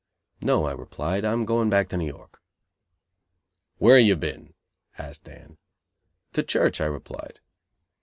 "No," I replied, "I'm going back to New York." "Where have you been?" asked Dan. "To church," I replied.